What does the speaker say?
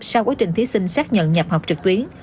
sau quá trình thí sinh xác nhận nhập học trực tuyến